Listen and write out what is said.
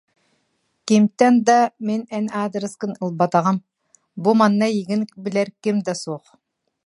Кимтэн да мин эн аадырыскын ылбатаҕым, бу манна эйигин билэр ким да суох